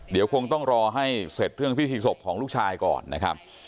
เดี๋ยวคงต้องรอให้เสร็จเรื่องพิธีศพของลูกชายก่อนนะครับ